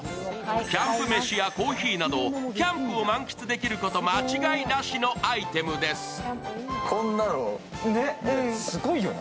キャンプ飯やコーヒーなどキャンプを満喫できること間違いなしのアイテムです。